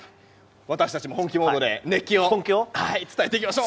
私たちも本気モードで熱気を伝えていきましょう。